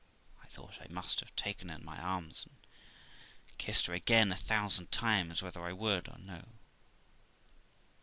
I thought I must have taken her in my arms and kissed her again a thousand times, whether I would or no.